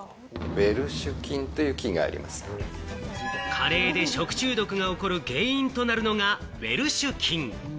カレーで食中毒が起こる原因となるのがウェルシュ菌。